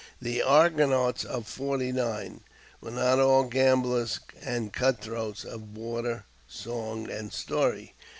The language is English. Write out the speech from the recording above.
The "Argonauts of '49" were not all gamblers and cut throats of border song and story.